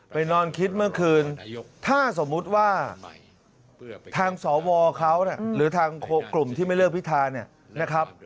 นอนคิดเมื่อคืนถ้าสมมุติว่าทางสวเขาหรือทางกลุ่มที่ไม่เลือกพิธาเนี่ยนะครับ